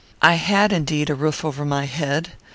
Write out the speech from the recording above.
I had indeed a roof over my head.